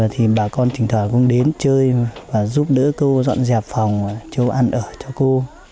thì bà con thỉnh thờ cũng đến chơi và giúp đỡ cô dọn dẹp phòng chỗ ăn ở cho cô